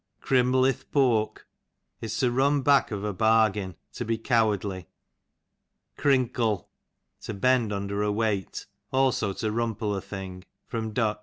Crimble ith' poke, is to run back of a bargain, to be coicardly. Crinkle, to bend under a weight, also to rumple a thing. Du.